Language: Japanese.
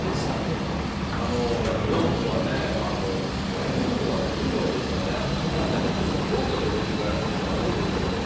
京都はね、外国人の方、特に多いですからね、新幹線乗ってても、京都で降りる外国の方が多いですけども。